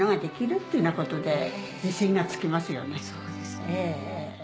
そうですね。